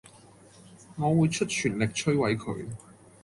我會出全力摧毀佢